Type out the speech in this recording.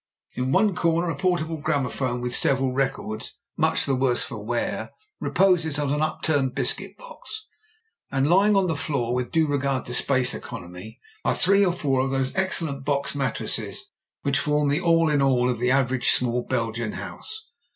In one comer a portable gramophone with several records much the worse for wear reposes on an upturned biscuit box, and lying on the floor, with due regard to space economy, are three or four of those excellent box mattresses which form the all in all of the average small Belgian house.